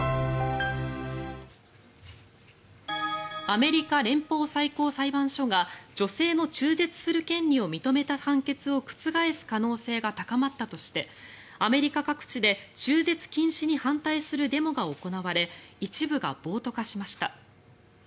アメリカ連邦最高裁判所が女性の中絶する権利を認めた判決を覆す可能性が高まったとしてアメリカ各地で中絶禁止に反対するデモが行われ一部が暴徒化しました。